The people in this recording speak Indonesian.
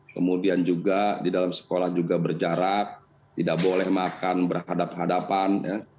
kemudian juga di dalam sekolah juga berjarak tidak boleh makan berhadapan hadapan